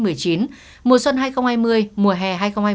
mùa xuân hai nghìn hai mươi mùa hè hai nghìn hai mươi